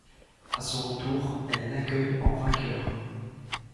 À son retour, elle l'accueille en vainqueur.